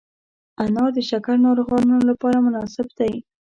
انار د شکر ناروغانو لپاره مناسب دی.